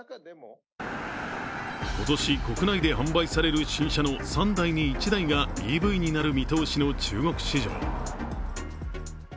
今年、国内で販売される新車の３台に１台がＥＶになる見通しの中国市場。